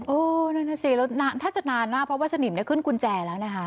โอ้นั่นสิแล้วถ้าจะนานน่ะเพราะว่าสนิมได้ขึ้นกุญแจแล้วนะคะ